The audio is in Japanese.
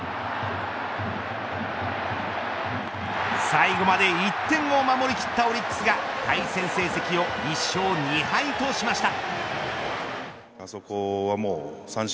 最後まで１点を守りきったオリックスが対戦成績を１勝２敗としました。